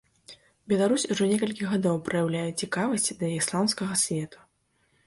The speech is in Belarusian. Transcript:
Беларусь ужо некалькі гадоў праяўляе цікавасць да ісламскага свету.